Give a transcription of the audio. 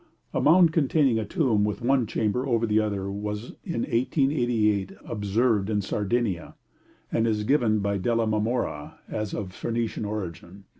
A mound containing a tomb with one chamber over the other was in 1888 observed in Sardinia, and is given by Della Marmora as of Phoenician origin.